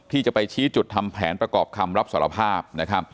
ที่จะไปชี้จุดทำแผนประกอบคำรับสารภาพนะครับ